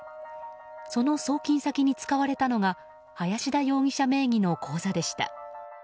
その送金先に使われたのが林田容疑者名義の口座でした。